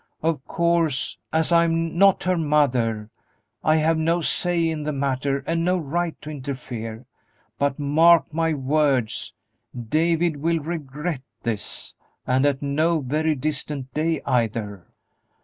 Of course, as I'm not her mother, I have no say in the matter and no right to interfere; but mark my words: David will regret this, and at no very distant day, either."